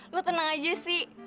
lo tenang aja sih